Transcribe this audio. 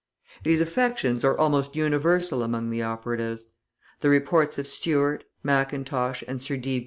These affections are almost universal among the operatives. The reports of Stuart, Mackintosh, and Sir D.